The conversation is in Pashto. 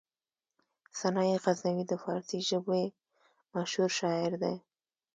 سنايي غزنوي د فارسي ژبې مشهور شاعر و.